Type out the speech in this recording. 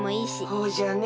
そうじゃね